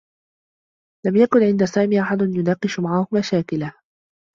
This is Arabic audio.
لم يكن عند سامي أحد يناقش معه مشاكله.